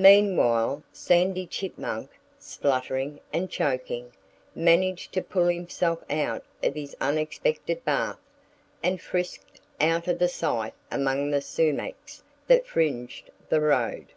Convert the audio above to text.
Meanwhile Sandy Chipmunk, spluttering and choking, managed to pull himself out of his unexpected bath and frisked out of sight among the sumacs that fringed the road.